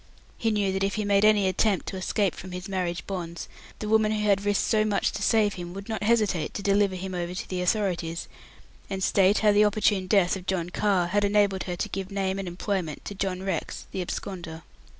He knew that if he made any attempt to escape from his marriage bonds, the woman who had risked so much to save him would not hesitate to deliver him over to the authorities, and state how the opportune death of John Carr had enabled her to give name and employment to John Rex, the absconder.